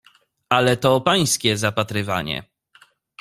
"Ale to pańskie zapatrywanie."